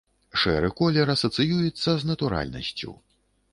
Шэры колер асацыюецца з натуральнасцю.